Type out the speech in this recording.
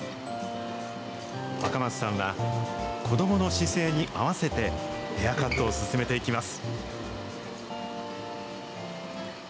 赤松さんは子どもの姿勢に合わせて、ヘアカットを進めていきます。